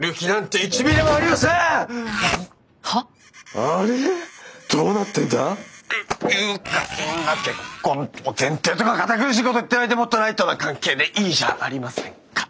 ていうかそんな結婚を前提とか堅苦しいこと言ってないでもっとライトな関係でいいじゃありませんか。